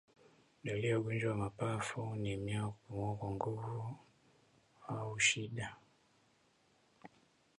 Dalili ya ugonjwa wa mapafu ni mnyama kupumua kwa nguvu au kwa shida